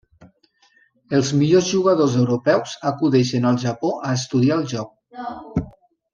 Els millors jugadors europeus acudeixen al Japó a estudiar el joc.